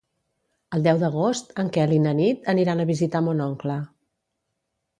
El deu d'agost en Quel i na Nit aniran a visitar mon oncle.